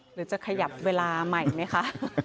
หรือจะขยับเวลาใหม่ไหมคะ